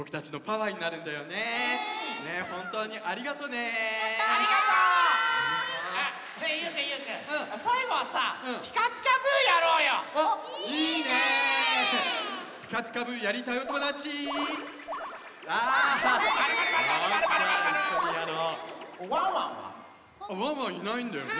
ワンワンいないんだよね。